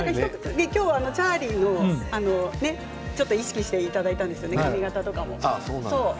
今日はチャーリーをちょっと意識していただいたんですよね、髪形とか。